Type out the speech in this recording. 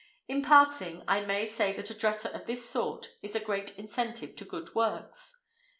In passing, I may say that a dresser of this sort is a great incentive to good works.